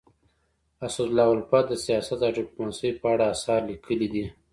اسدالله الفت د سیاست او ډيپلوماسی په اړه اثار لیکلي دي.